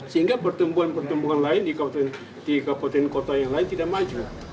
sehingga pertumbuhan pertumbuhan lain di kabupaten kota yang lain tidak maju